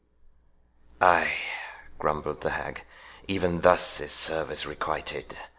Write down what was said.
"Ay," grumbled the hag, "even thus is service requited.